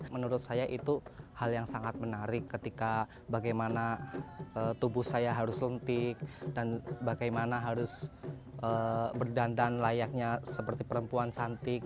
menurut saya itu hal yang sangat menarik ketika bagaimana tubuh saya harus lentik dan bagaimana harus berdandan layaknya seperti perempuan cantik